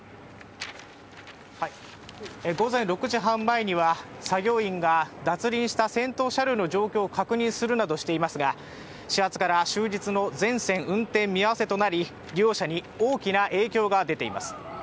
午前６時半前には作業員が脱輪した先頭車両の状況を確認するなどしていますが、始発から終日の全線運転見合わせとなり利用者に大きな影響が出ています。